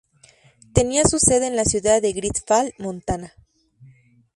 Tenía su sede en la ciudad de Great Falls, Montana.